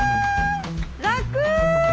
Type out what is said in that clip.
楽！